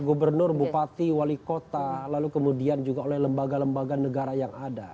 gubernur bupati wali kota lalu kemudian juga oleh lembaga lembaga negara yang ada